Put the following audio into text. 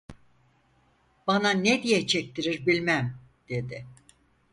Bana ne diye çektirir bilmem… dedi.